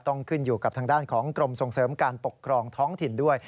ต้องขึ้นอยู่กับทางด้านของกรมส่งเสริมการปกครองท้องถิ่นด้วย